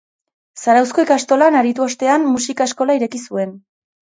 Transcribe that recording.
Zarauzko ikastolan aritu ostean musika eskola ireki zuen.